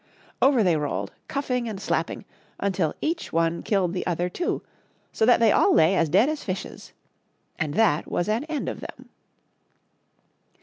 Over they rolled, cuffing and slapping, until each one killed the other two, so that they all lay as dead as fishes. And that was an end of them.